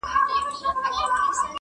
بس په علم او هنر به د انسان مقام لوړېږي-